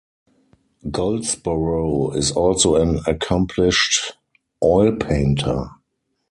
Goldsboro is also an accomplished oil painter.